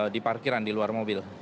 di parkiran di luar mobil